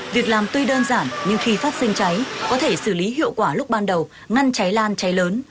việc làm tuy đơn giản nhưng khi phát sinh cháy có thể xử lý hiệu quả lúc ban đầu ngăn cháy lan cháy lớn